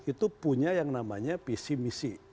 itu punya yang namanya pcmc